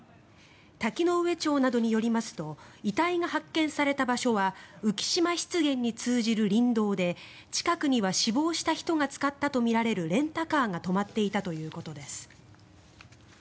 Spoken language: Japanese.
滝上町などによりますと遺体が発見された場所は浮島湿原に通じる林道で近くには死亡した人が使ったとみられるレンタカーが止まっていたということです。